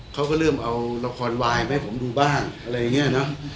เขาก็เริ่มเอาละครวายมาให้ผมดูบ้างอะไรอย่างนี้เนอะ